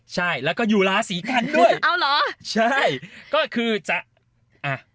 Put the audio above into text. ใช่แล้วก็อยู่ราศีกันด้วยเอาเหรอใช่ก็คือจะอ่ะ